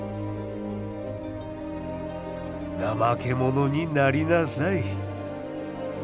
「なまけ者になりなさい」。